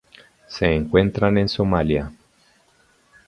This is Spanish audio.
Se encuentran en Somalia.